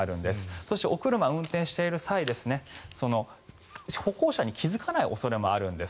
そして、お車運転している際歩行者に気付かない恐れもあるんです。